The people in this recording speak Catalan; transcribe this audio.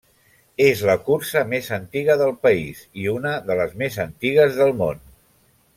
És la cursa més antiga del país, i una de les més antigues del món.